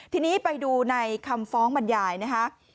ทีนี้ไปดูในคำฟ้องบรรยายนะคะ